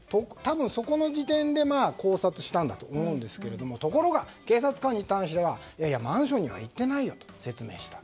そこの時点で絞殺したんだと思いますがところが、警察官に対してはマンションには行ってないよと説明した。